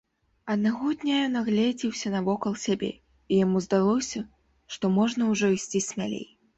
Аднаго дня ён агледзеўся навокал сябе, і яму здалося, што можна ўжо ісці смялей.